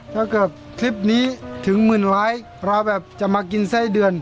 ถ้าเกิดทริปนี้ถึงหมื่นไลค์เราแบบจะมากินไส้เดือน